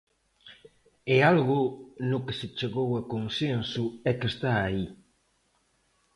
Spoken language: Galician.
É algo no que se chegou a consenso e que está aí.